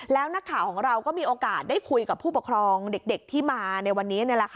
แล้วนักข่าวของเราก็มีโอกาสได้คุยกับผู้ปกครองเด็กที่มาในวันนี้